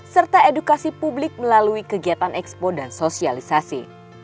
serta edukasi publik melalui kegiatan ekspo dan sosialisasi